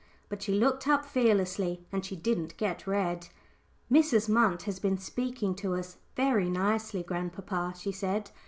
But she looked up fearlessly, and she didn't get red. "Mrs. Munt has been speaking to us very nicely, grandpapa," she said.